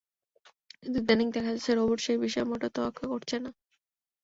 কিন্তু ইদানীং দেখা যাচ্ছে, রোবট সেই বিষয় মোটেও তোয়াক্কা করছে না।